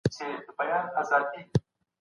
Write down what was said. د ښځي اصلي دنده د خاوند پالنه ده.